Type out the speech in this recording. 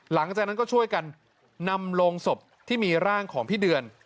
หลังจากนั้นก็ช่วยกันนำโรงศพที่มีร่างของพี่เดือน